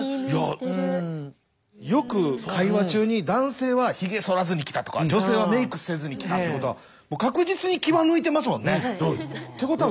よく会話中に男性はひげそらずに来たとか女性はメークせずに来たってことはってことはそうなんです。